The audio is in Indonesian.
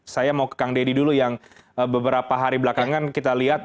saya mau ke kang deddy dulu yang beberapa hari belakangan kita lihat